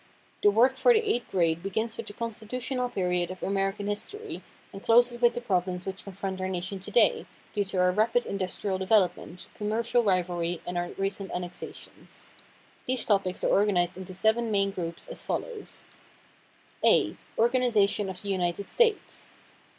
The work for the eighth grade begins with the constitutional period of American history, and closes with the problems which confront our nation to day, due to our rapid industrial development, commercial rivalry, and our recent annexations. These topics are organized into seven main groups, as follows: A "Organization of the United States."